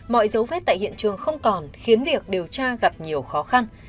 mọi dấu vết tại hiện trường không còn khiến việc điều tra gặp nhiều khó khăn